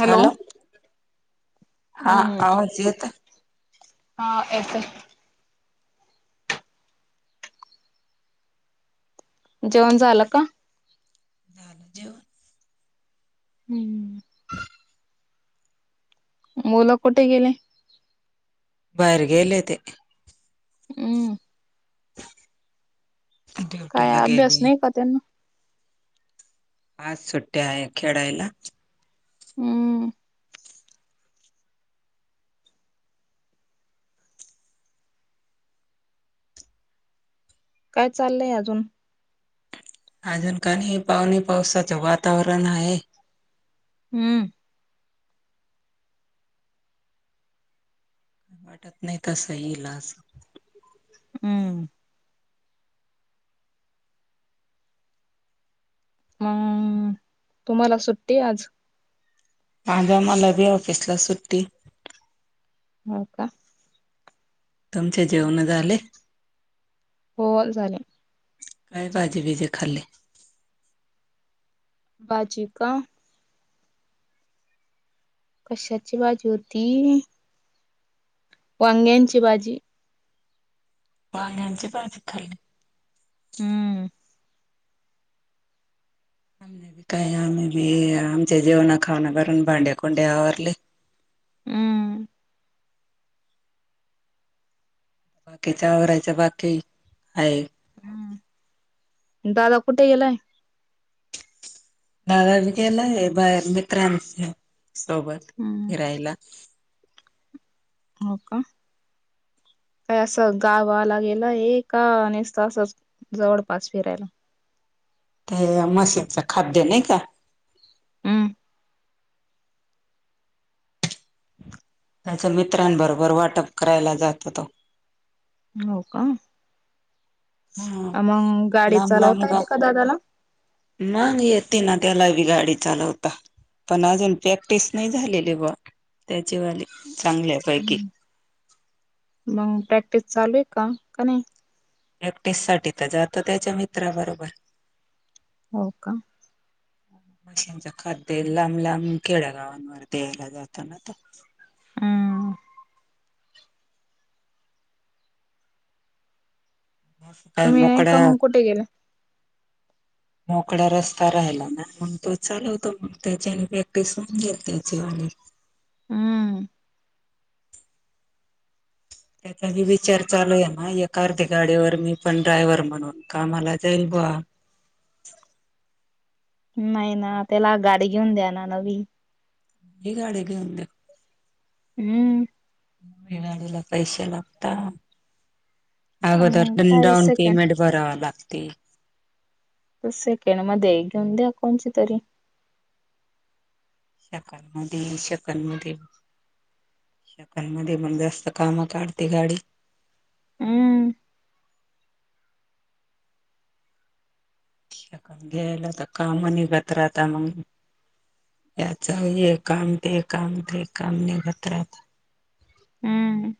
Hello! हा आवाज येत. हा येतंय. जेवण झालं का. झालं जेव. हम्म. मुलं कुठे गेले. बाहेर गेले ते. हम्. काय ड्युटीला अभ्यास गेले नाही का त्यांना. आज सुट्ट्या आहे खेळायला. हम्म काय चाललंय अजून. अजून काणी हे पावणे पावसाचं वातावरण आहे. हम्म. वाटत नाही तसं येईल असं. हम्म. हम्म तुम्हाला सुट्टी आज. माझा मला बी ऑफिसला सुट्टी. हो का. तुमचे जेवण झाले. हो झाले. काय पाहिजे बिजे खाल्ली. बाजिका. कशाची बाजी होती. वांग्यांची भाजी वांग्यांची भाजी खाल्ली हम्म आम्ही काय आम्हीी आमच्या जेवणा खाना भरून भांडे्याकोंडे आवरले. हम्म बाकी वराच्या बाकी आहे. हम्म दादा कुठे गेलाय. दादाी गेलाय बाहेर मित्रांच्या सोबत हम्म फिरायला. हो का. काय असं गावाला गेलं का आणि अस नुसतं असच जवळपास फिरायला ते मशीचं खाद्य नाही का? हम्म म्हणजे मित्रांबरोबर वाटप करायला जातो तो. हो का हा आण मग गाडी लांब लांब चालवता गा येते का दादाला. मग येते ना त्याला बी गाडी चालवता. त्याला अजून प्रॅक्टिस नाही झालेली बुवा त्याचीवाले चांगल्या पैकी मग प्रॅक्टिस चालू आहे का काय नाही. प्रॅक्टिस साठी तर जातं त्याच्या मित्राबरोबर. हो का! मशींच खाद्य लांब लांब खेड्यागावांवर द्यायला जातो ना तो. हम्म! काही तुम्ही नाही का मोकळ्या मग कुठे गेले? मोकळा रस्ता राहिला ना म्हण तो चालवतो मग त्याच्या आणि प्रॅक्टिस होऊन जाते त्याच्या आणि हम्म! त्याचा मी विचार चालू आहे म एका अर्धी गाडीवर मी पण ड्रायव्हर म्हणून कामाला जाईल बुवा नाही ना त्याला गाडी घेऊन द्या ना नवीन. ही गाडी घेऊन द्या. हम्म! गाडीला पैसेे लागता आगदोर मग पण काय सेकंड डाउनपेमेंट भरावे लागते. तर सेकंड मध्ये घेऊन द्या कोणची तरी. शकालमध्ये शकलमध्ये.. शकंडमध्ये म्हणटल्यावर सकाळणं काढते गाडी. हम्म शंकड घ्यायला कामनी बत राहता मग. याच ये काम ते काम ते काम निघतात. हम्म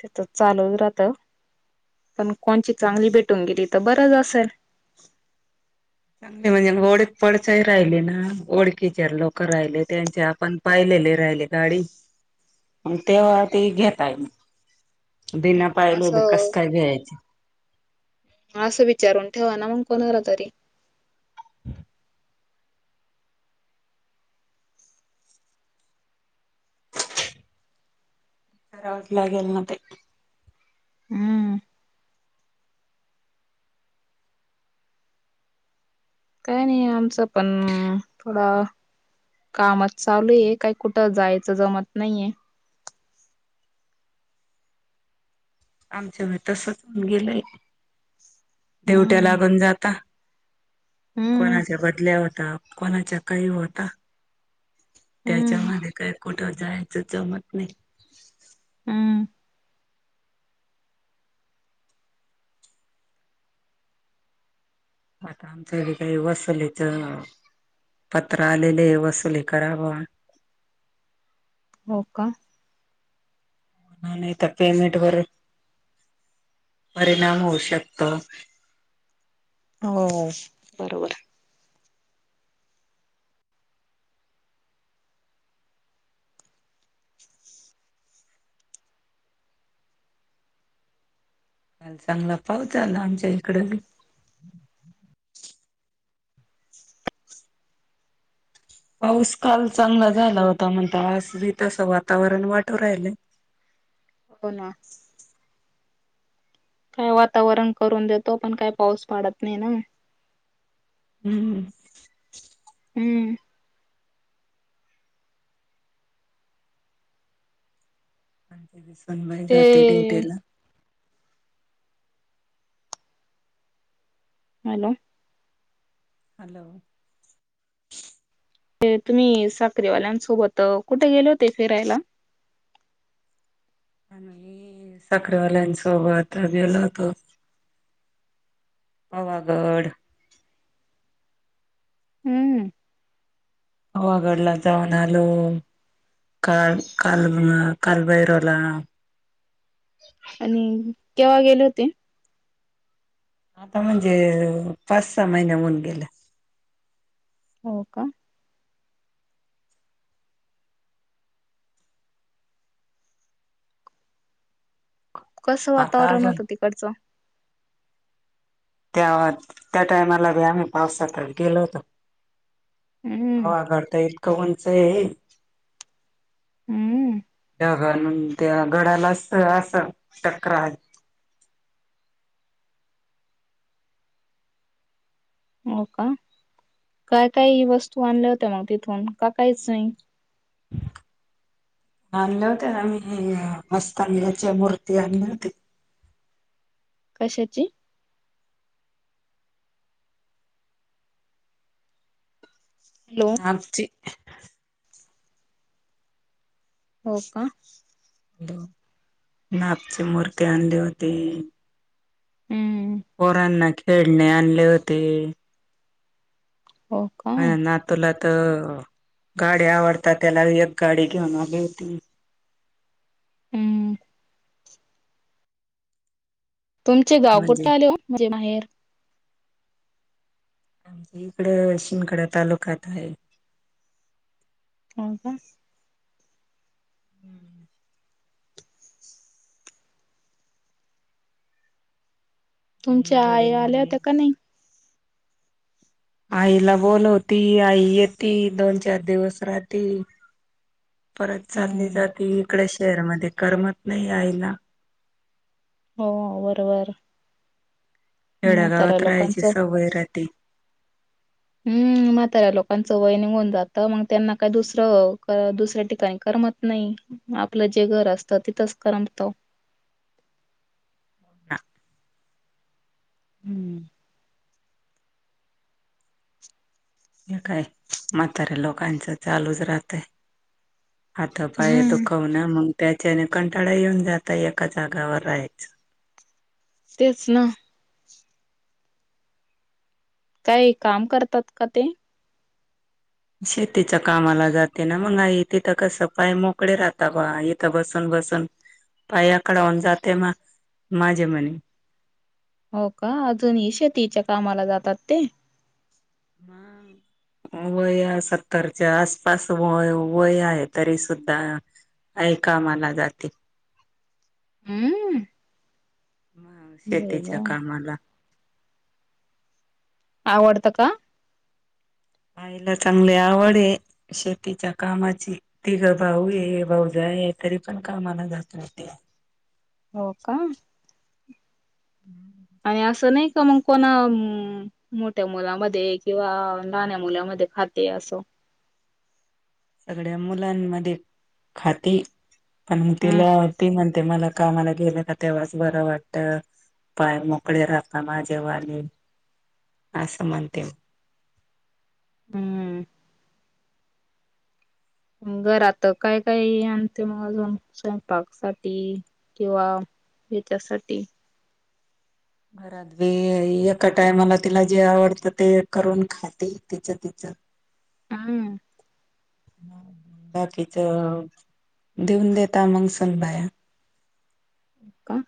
ते तर चालूच राहत पण कोणची चांगली भेटून गेली तर बरंच असेल. चांगली म्हणजे ओळख पडसाही राहिली ना ओळखीचे लोक राहिले त्यांचे आपण. पाहिलेले राहिले गाडी. मग तेव्हा ते घेताय बिना पाहिलेली कस असं काय घ्यायच. असं विचारून ठेवा ना मग कोणाला तरी. हम्म [unintelligible] करावच लागेल ना ते. हम्म. काय नाही आमचं पण थोडा कामाच चालू आहे काही कुठं जायचं जमत नाहीये. आमच ही तसच गेलंय देवट्याला हम्म पण जाता. हम्म कोणाच्या बदल्या होता कोणाच्या काही होता. हम्म त्याच्यामध्ये काही कुठं जायचं जमत नाही. हम्म! आता आमच्या कडे वसुलीच पत्र आलेले वसुली करावं. हो का! म्हणून इथं पेमेंट वर परिणाम होऊ शकतो. हो बरोबर हाय. काल चांगला पाऊस झाला आमच्या इकडे. हम. [unintelligible] पाऊस काल चांगला झाला होता म्हणता आज बी तसं वातावरण वाटू राहिलं. हो ना! ठेवा आता वरण करून देतो पण काय पाऊस पडत नाही ना. हम्म! हम्म! सन्मयी ते जाते ड्युटीला. हॅलो. हॅलो.. ते तुम्ही साखरीवाल्यांसोबत कुठे गेले होते फिरायला? आम्ही साखरवाल्यांन सोबत गेलो होतो. पवागढ. हम्म.. ओहगडला जाऊन आलो. का -काल [unintelligible] कालभैरवला. आणि केव्हा गेले होते? आता म्हणजे पाच -सहा महिने होऊन गेल्या. हो का. कसं आता वातावरण अजून होतं तिकडचं? त्या- त्या टायमाला बी आम्ही पावसातच गेलो होतो. हम्म हो गडत इतकं उंच आहे. हम्म. अन् त्या गडाला अस -असं टकरा हो का, काय काय वस्तू आणल्या होत्या मग तिथून का काहीच नाही? आणल्या होत्या ना मी मस्तानल्याच्या मूर्त्या आणल्या होत्या. कशाची? हॅलो आमची हो का. दो-नागची मूर्ती आणली होती. हम्म... पोरांना खेडणे आणले होते. हो का माया नातुला तर गाडी आवडतात त्याला एक गाडी घेऊन आली होती. हम्म.. तुमचे गाव म्हणजे कुठलं आले ओ? म्हणजे माहेर आमचं इकड शिनखडा तालुक्यात आहे. हो का. तुमच्या आई वडील आल्या होत्या आहे. का नाही? आईला बोलवती आई येती दोन, चार दिवस राहती. परत चालली हम्म जाती इकड शेअरमध्ये करमत नाही आईला. हो बरोबर. खेड्या म्हाताऱ्या गावात राहायची लोकांचं सवय राहती. हम्म म्हाताऱ्या लोकांचं वय निघून जातं मग त्यांना काय दुसरं -दुसऱ्या ठिकाणी करमत नाही आपलं जे घर असतं तिथच करमत. हा. हम्म.. हे काय म्हाताऱ्या लोकांचं चालूच राहतय हाता, पाय दु हम्म. -कवन मग त्याच्याने कंटाळा येऊन जाता एका जागावर राहायचं. तेच ना. काय काम करतात का ते? शेतीच्या कामाला जाते ना मग आई तिथं कसं पाय मोकळे राहता बा इथं बसून- बसून पायाकडाऊन जाते म माझे मणी हो का अजूनही शेतीच्या कामाला जातात ते? मग वय या सत्तरच्या आसपास वय- वय आहे तरी सुद्धा आई कामाला जाती. हम्म हा बई शेतीच्या गं. कामाला. आवडतं का? आईला चांगली आवड आहे शेतीच्या कामाची ती ग भाऊ ये भाऊ जा आहे तरी पण कामाला जात येते. हो का. हम्. आणि असं नाही का मग कोणा मोठ्या मुलामध्ये किंवा नाण्या मुलामध्ये खाते असं. सगळ्या मुलांमध्ये खाती पण मग हम्म तिलावती म्हणते मला का आम्हाला गेलं का तेव्हाच बरं वाटत. पाय मोकळे राहता माझेव्हाले असं म्हणते. हम्म. घरात काय काय आणते मग अजून स्वयंपाक सा किंवा हच्यासाठी घरात व एका टायमाला तिला जे आवडतं ते करून खाताते तिचं तिच [unintelligible] हा. बाकीच देऊन देता मंग सन बायार न का?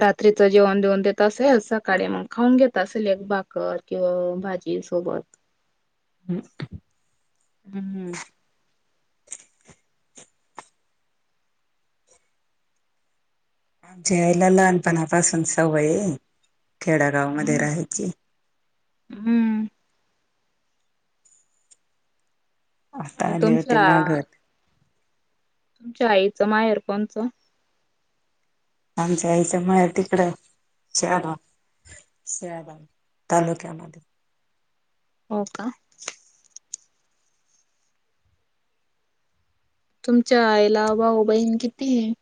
रात्रीचं जेवण देऊन देत असेल सकाळी मग खाऊन घेत असेल एक बाकत. किंवा भाजी सोबत हम्. हम्मम. आमच्या आईला लहानपणापासून सवय खेडागाव मध्ये हम्म राहायची. हम्म. आता आणि आले होते तुमच्या मागर तुमच्या आईचं मा एअरफोनचं आमच्या यायचंमुळे तिकडे शल स तलुकमद हो का? तुमच्या आईला भाऊ बहीण किती आहे.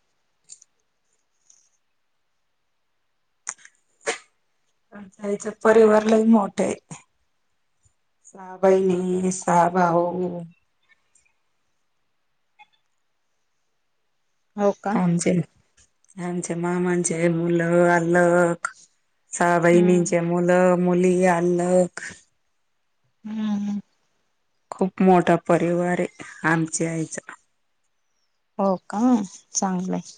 पण त्याच्या परिवारलाही मोठं आहे. साहाबा नाही साहाबा हो. हो का आमचे आमचे मामांचे मुलं आलक सहा हम्म. बहिणींचे मुलं मुली अख हम्म हम. खूप मोठा परिवार आहे आमच्या आईचा हो का चांगलंय.